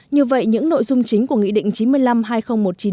như vậy những nội dung chính của nghị định chín mươi năm